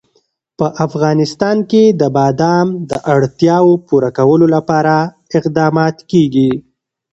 په افغانستان کې د بادام د اړتیاوو پوره کولو لپاره اقدامات کېږي.